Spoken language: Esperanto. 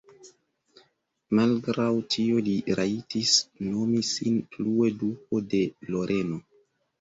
Malgraŭ tio li rajtis nomi sin plue Duko de Loreno.